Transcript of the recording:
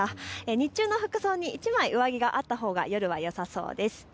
日中の服装に１枚上着があったほうが夜はよさそうです。